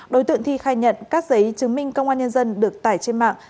đối tượng thi khai nhận các giấy chứng minh công an nhân dân được tải trên mạng